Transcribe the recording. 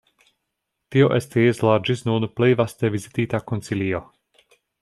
Tio estis la ĝis nun plej vaste vizitita koncilio.